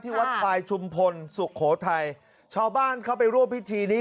วัดพลายชุมพลสุโขทัยชาวบ้านเข้าไปร่วมพิธีนี้